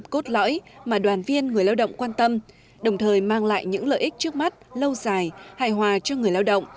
cốt lõi mà đoàn viên người lao động quan tâm đồng thời mang lại những lợi ích trước mắt lâu dài hài hòa cho người lao động